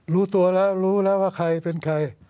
รู้ตัวแล้วรู้แล้วว่าใครเป็นใคร